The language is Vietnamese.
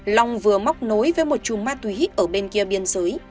long vừa móc nối với một chùm ma túy ở bên kia biên giới